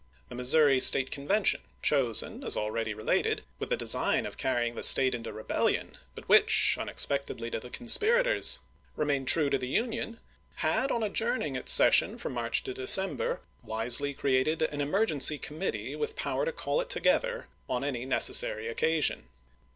The Missouri State Convention, chosen, as already related, with the design of carrying the State into rebellion, but which, unexpectedly to the conspira GENERAL NATHANIEL LYON. MISSOURI 225 tors, remained true to the Union, had, on adjourn chap. xi. ing its session from March to December, wisely 1861. created an emergency committee with power to call it together on any necessary occasion.